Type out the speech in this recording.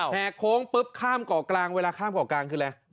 แหกโค้งปุ๊บข้ามก่อกลางเวลาข้ามก่อกลางคืออะไร